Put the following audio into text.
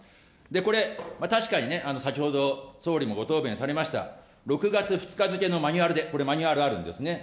これ、確かにね、先ほど総理もご答弁されました、６月２日付のマニュアルで、これマニュアルがあるんですね。